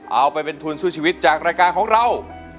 เอาไปเป็นทุนสู้ชีวิตจากรายการของเรา